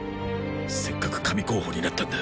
せっかく神候補になったんだ